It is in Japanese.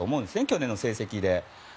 去年の成績で。